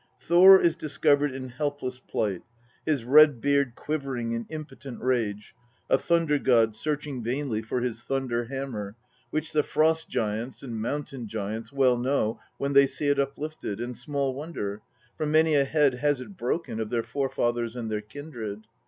Thor is discovered in helpless plight, his red beard quivering in impotent rage, a Thunder god searching vainly for his thunder hammer, " which the Frost giants and Mountain giants well know when they see it uplifted, and small wonder, for many a head has it broken of their forefathers and their kindred."